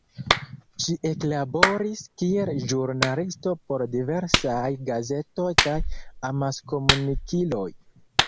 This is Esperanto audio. Ŝi eklaboris kiel ĵurnalisto por diversaj gazetoj kaj amaskomunikiloj.